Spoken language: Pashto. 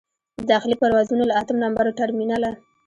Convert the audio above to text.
د داخلي پروازونو له اتم نمبر ټرمینله.